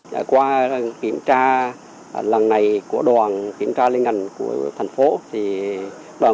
đoàn này của đoàn kiểm tra liên ngành công tác phòng cháy thành phố đà nẵng